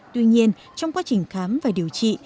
tuy nhiên trong quá trình khám và điều trị